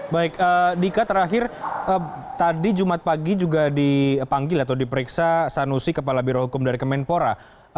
baik dika terakhir tadi jumat pagi juga dipanggil atau diperiksa sanusi kepala birohukum dari kemenpora